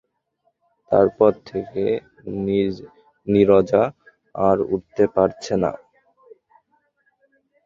তার পর থেকে নীরজা আর উঠতে পারলে না।